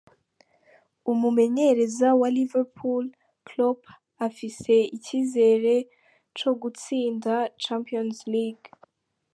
Umumenyereza wa Liverpool Klopp afise icizere co gutsinda Champions League.